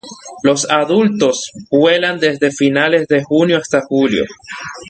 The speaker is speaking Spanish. Los adultos vuelan desde finales de junio hasta julio.